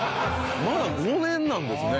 まだ５年なんですね。